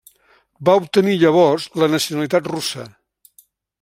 Va obtenir llavors la nacionalitat russa.